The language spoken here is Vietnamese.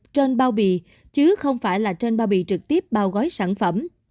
trên bao bì chứ không phải là trên bao bì trực tiếp bao gói sản phẩm